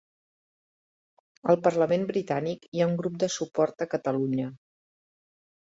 Al parlament britànic hi ha un grup de suport a Catalunya